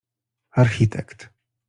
architekt.